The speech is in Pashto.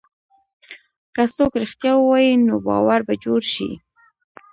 که څوک رښتیا ووایي، نو باور به جوړ شي.